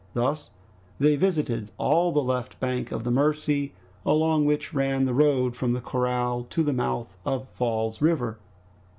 They thus visited all the left bank of the Mercy, along which ran the road from the corral to the mouth of Falls River.